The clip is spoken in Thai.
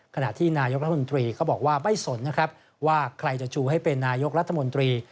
ขณะที่นายกรัฐมนตรีก็บอกว่าไม่สนนะครับว่าใครจะชูให้เป็นนายกรัฐมนตรี